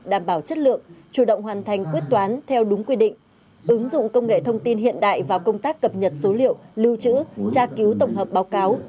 đảm bảo chất lượng chủ động hoàn thành quyết toán theo đúng quy định ứng dụng công nghệ thông tin hiện đại vào công tác cập nhật số liệu lưu trữ tra cứu tổng hợp báo cáo